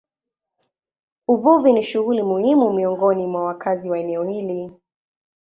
Uvuvi ni shughuli muhimu miongoni mwa wakazi wa eneo hili.